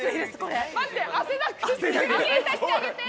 休憩させてあげて。